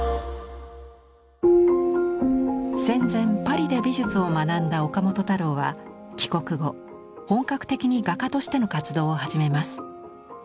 戦前パリで美術を学んだ岡本太郎は帰国後本格的に画家としての活動を始めます。